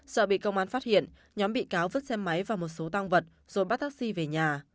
sợ bị công an phát hiện nhóm bị cáo vứt xe máy và một số tăng vật rồi bắt taxi về nhà